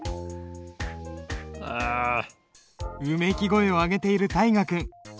うめき声を上げている大河君。